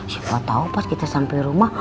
siapa tahu pas kita sampai rumah